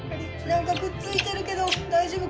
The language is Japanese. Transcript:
何かくっついてるけど大丈夫？